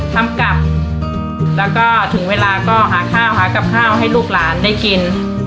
ทำกลับแล้วก็ถึงเวลาก็หาข้าวหากับข้าวให้ลูกหลานได้กิน